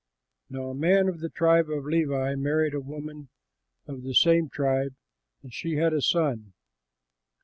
Now a man of the tribe of Levi married a woman of the same tribe, and she had a son.